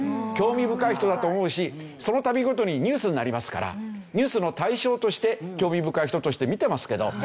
興味深い人だと思うしその度ごとにニュースになりますからニュースの対象として興味深い人として見てますけど。